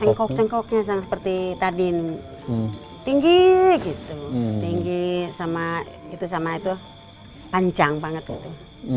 cengkok cengkoknya seperti tadi tinggi gitu tinggi sama itu sama itu panjang banget gitu